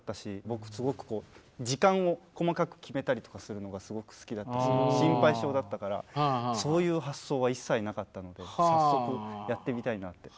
僕すごくこう時間を細かく決めたりとかするのがすごく好きだったし心配性だったからそういう発想は一切なかったので早速やってみたいなって。